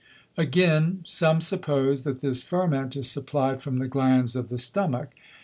Again: Some suppose, that this Ferment is supply'd from the Glands of the Stomach.